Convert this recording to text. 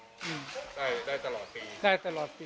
ได้ตลอดปี